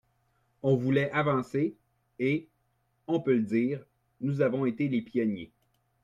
On voulait avancer, et, on peut le dire, nous avons été les pionniers.